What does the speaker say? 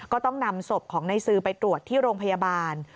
ก็ต้องนำศพของในซือไปตรวจที่โรงพยาบาล